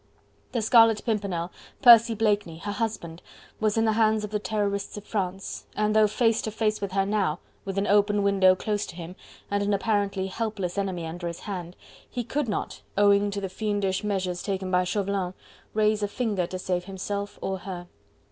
The Scarlet Pimpernel, Percy Blakeney, her husband, was in the hands of the Terrorists of France, and though face to face with her now, with an open window close to him, and an apparently helpless enemy under his hand, he could not owing to the fiendish measures taken by Chauvelin raise a finger to save himself and her.